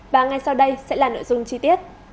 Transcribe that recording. và ngay sau đây sẽ là nội dung chi tiết